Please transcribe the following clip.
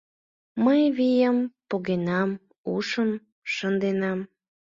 Мый вийым погенам, ушым шынденам.